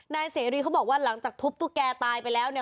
นายเสรีเขาบอกว่าหลังจากทุบตุ๊กแกตายไปแล้วเนี่ย